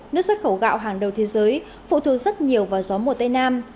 nước xuất khẩu gạo hàng đầu thế giới phụ thuộc rất nhiều vào gió mùa tây nam